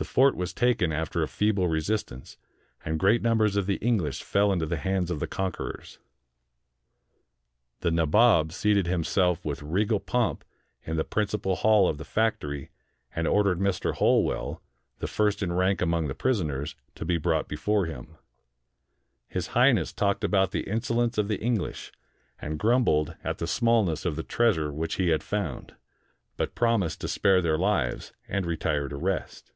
The fort was taken after a feeble resistance; and great numbers of the English fell into the hands of the conquerors. The Nabob seated himself 158 THE BLACK HOLE OF CALCUTTA with regal pomp in the principal hall of the factory, and ordered Mr. Holwell, the first in rank among the pris oners, to be brought before him. His Highness talked about the insolence of the English, and grumbled at the smallness of the treasure which he had found; but promised to spare their lives, and retired to rest.